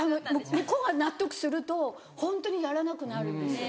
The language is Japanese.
向こうが納得するとホントにやらなくなるんですよ。